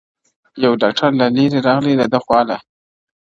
یو ډاکټر له لیری راغی د ده خواله،